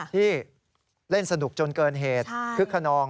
ที่เล่นสนุกจนเกินเหตุคึกขนอง